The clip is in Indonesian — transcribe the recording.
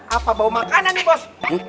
apa bau makanan nih bos